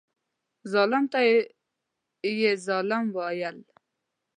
ظالم ته یې ظالم وویل.